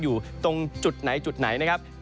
อยู่ตรงจุดไหนนะครับ